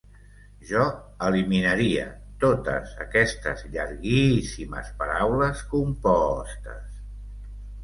Jo eliminaria totes aquestes llarguíssimes paraules compostes.